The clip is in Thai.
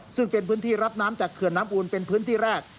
ซึ่งเป็นพื้นที่รับน้ำจากเขื่อนน้ำอูลเป็นพื้นที่แรก